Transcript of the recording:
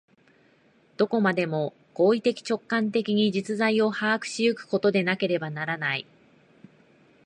どこまでも行為的直観的に実在を把握し行くことでなければならない。